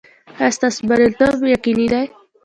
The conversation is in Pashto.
ایا ستاسو بریالیتوب یقیني دی؟